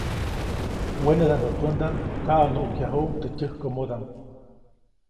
Wenedaʼmbä pändaʼm kaʼunuʼkyajuʼuŋ teʼ tyäjkomodaʼm.